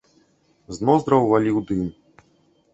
З ноздраў валіў дым.